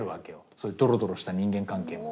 そういうドロドロした人間関係も。